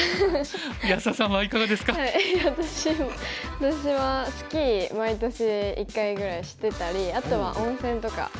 私はスキー毎年１回ぐらいしてたりあとは温泉とか好きですね。